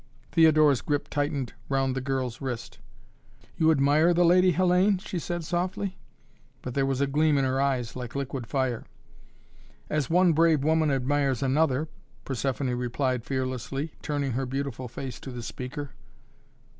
Theodora's grip tightened round the girl's wrist. "You admire the Lady Hellayne?" she said softly, but there was a gleam in her eyes like liquid fire. "As one brave woman admires another!" Persephoné replied fearlessly, turning her beautiful face to the speaker.